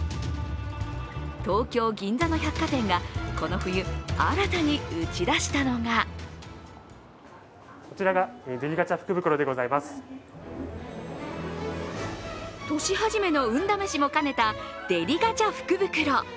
東京・銀座の百貨店がこの冬、新たに打ち出したのが年始めの運試しも兼ねたデリガチャ福袋。